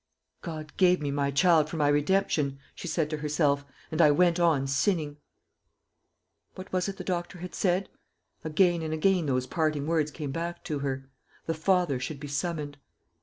"God gave me my child for my redemption," she said to herself, "and I went on sinning." What was it the doctor had said? Again and again those parting words came back to her. The father should be summoned.